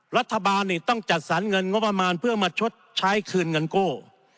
รัฐบาลนี่ต้องจัดสรรเงินงบประมาณเพื่อมาชดใช้คืนเงินกู้